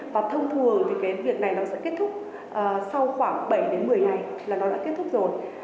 và thông thường thì cái việc này nó sẽ kết thúc sau khoảng bảy đến một mươi ngày là nó đã kết thúc rồi